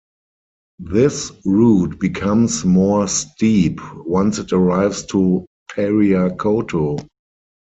This route becomes more steep once it arrives to Pariacoto.